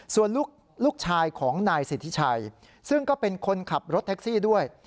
ส่วนลูกชายของนายสิทธิชัยซึ่งก็เป็นคนขับรถแท็กซี่ด้วย